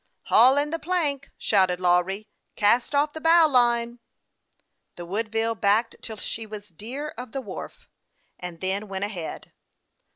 " Haul in the plank !" shouted Lawry. " Cast off the bow line." The Woodville backed till she was clear of the wharf, and then went ahead.